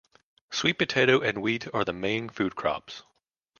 Sweet potato and wheat are the main food crops.